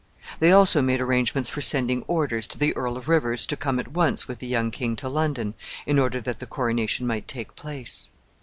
They also made arrangements for sending orders to the Earl of Rivers to come at once with the young king to London, in order that the coronation might take place.